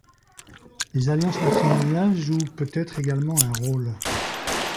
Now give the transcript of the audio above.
Les alliances matrimoniales jouent peut-être également un rôle.